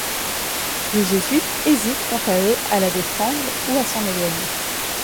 Les Jésuites hésitent quant à eux à la défendre ou à s'en éloigner.